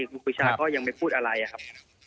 ครูปีชาก็ยังไม่พูดอะไรครับ